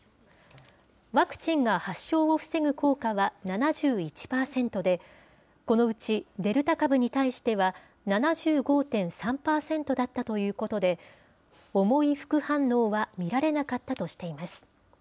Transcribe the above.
ワクチンが発症を防ぐ効果は７１％で、このうちデルタ株に対しては、７５．３％だったということで、重い副反応は見られなかったとしています。